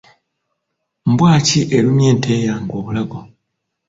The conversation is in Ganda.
Mbwa ki erumye ente eyange obulago?